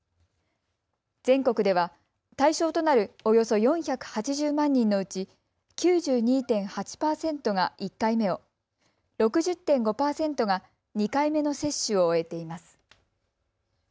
全国では対象となるおよそ４８０万人のうち９２．８％が１回目を、６０．５％が２回目の接種を終えています。